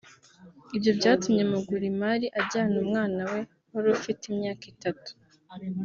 Ibyo byatumye Mugurimari ajyana umwana we wari ufite imyaka itatu